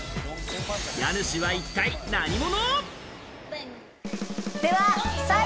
家主は一体何者？